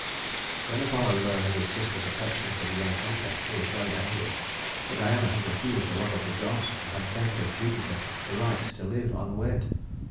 When Apollo learned of his sister's affection for the young hunter, he was very angry, for Diana had refused the love of the gods, and had begged of Jupiter the right to live unwed.